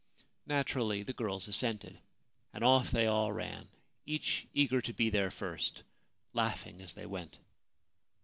Naturally the girls assented, and ofF they all ran, each eager to be there first, laughing as they went.